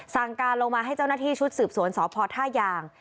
สั่งการลงมาให้เจ้าหน้าที่ชุดสืบสวนสพท่ายาง